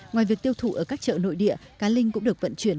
ngoài việc tiêu thụ ở các chợ nội địa cá linh cũng được vận chuyển